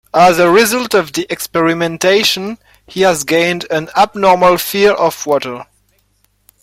As a result of the experimentation, he has gained an abnormal fear of water.